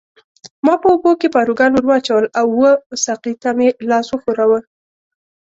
ما په اوبو کې پاروګان ورواچول او وه ساقي ته مې لاس وښوراوه.